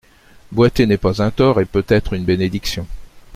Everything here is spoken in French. Boiter n'est pas un tort, et peut être une bénédiction.